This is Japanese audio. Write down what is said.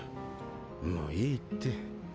もういいって。